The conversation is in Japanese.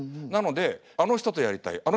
なので「あの人とやりたい」